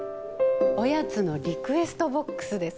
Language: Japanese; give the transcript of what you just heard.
おやつのリクエストボックスです。